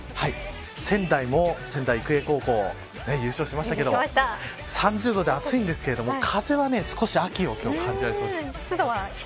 仙台も仙台育英高校優勝しましたけど３０度で暑いんですけど風は少し秋を感じられそうです。